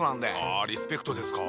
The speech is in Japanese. あリスペクトですか。